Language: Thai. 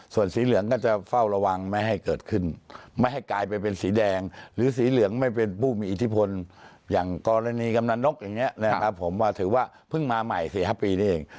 ส่วนสีเหลืองก็จะเฝ้าระวังไม่ให้เกิดขึ้นไม่ให้กลายไปเป็นสีแดงหรือสีเหลืองไม่เป็นผู้มีอิทธิพลอย่างกรณีกำนันนกอย่างนี้นะครับผมว่าถือว่าเพิ่งมาใหม่๔๕ปีนี่เอง